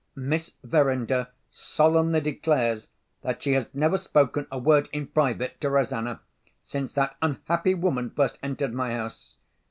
Miss Verinder solemnly declares, that she has never spoken a word in private to Rosanna, since that unhappy woman first entered my house.